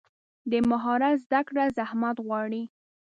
د مهارت زده کړه زحمت غواړي.